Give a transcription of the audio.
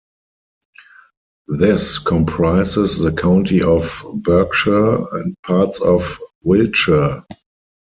This comprises the county of Berkshire and parts of Wiltshire.